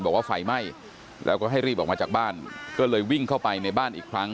บอกว่าไฟไหม้แล้วก็ให้รีบออกมาจากบ้านก็เลยวิ่งเข้าไปในบ้านอีกครั้ง